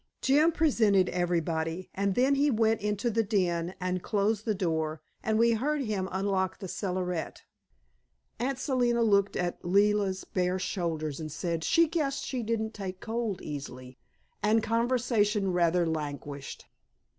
Jim presented everybody, and then he went into the den and closed the door and we heard him unlock the cellarette. Aunt Selina looked at Leila's bare shoulders and said she guessed she didn't take cold easily, and conversation rather languished.